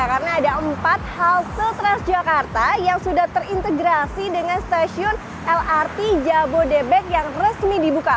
karena ada empat halte transjakarta yang sudah terintegrasi dengan stasiun lrt jabodebek yang resmi dibuka